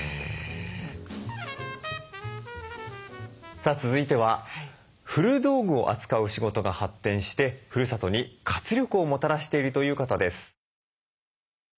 さあ続いては古道具を扱うお仕事が発展してふるさとに活力をもたらしているという方です。